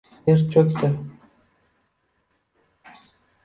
Yer cho’kdi.